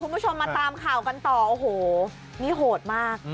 คุณผู้ชมมาตามข่าวกันต่อโอ้โหนี่โหดมาก